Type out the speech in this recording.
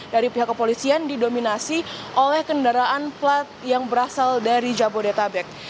dari pihak kepolisian didominasi oleh kendaraan plat yang berasal dari jabodetabek